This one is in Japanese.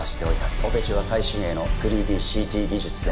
オペ中は最新鋭の ３ＤＣＴ 技術で